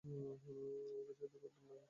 আমাকে সাহায্য করবেন কি না?